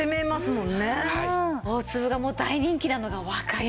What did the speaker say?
大粒がもう大人気なのがわかります。